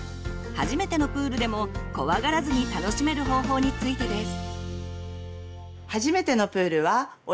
初めてのプールでも怖がらずに楽しめる方法についてです。